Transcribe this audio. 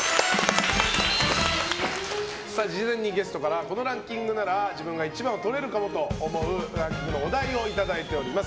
事前にゲストからこのランキングなら自分が１番をとれるかもと思うランキングのお題をいただいております。